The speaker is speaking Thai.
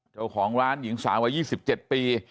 เจ้าของร้านอย่างสายวันยี่สิบเจ็ดปี